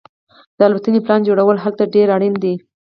د الوتنې پلان جوړول هلته ډیر اړین دي